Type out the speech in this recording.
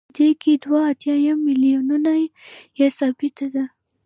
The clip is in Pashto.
دې کې دوه اتیا نیم میلیونه یې ثابته ده